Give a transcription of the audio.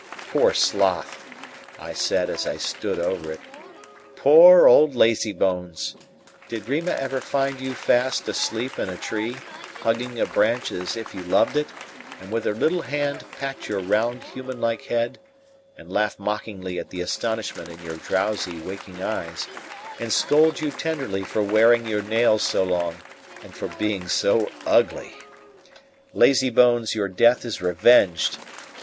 "Poor sloth!" I said as I stood over it. "Poor old lazy bones! Did Rima ever find you fast asleep in a tree, hugging a branch as if you loved it, and with her little hand pat your round, human like head; and laugh mockingly at the astonishment in your drowsy, waking eyes; and scold you tenderly for wearing your nails so long, and for being so ugly? Lazybones, your death is revenged!